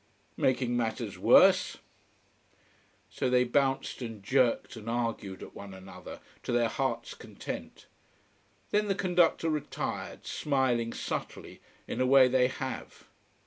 Making matters worse So they bounced and jerked and argued at one another, to their hearts' content. Then the conductor retired, smiling subtly, in a way they have.